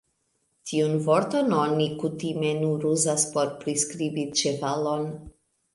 Tiun vorton oni kutime nur uzas por priskribi ĉevalon.